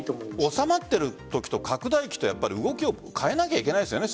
収まっているときと拡大期と動きを変えないといけないですよね。